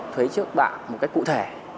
thuế trước bạ một cách cụ thể